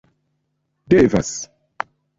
devas